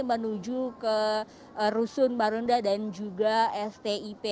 menuju ke rusun marunda dan juga stip